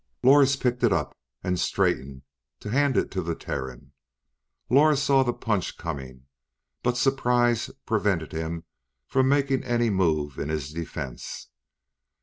Lors picked it up and straightened to hand it to the Terran. Lors saw the punch coming, but surprise prevented him from making any move in his defense.